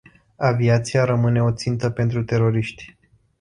Aviația rămâne o țintă pentru teroriști.